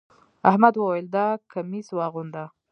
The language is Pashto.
احمد وويل: دا کميس واغونده.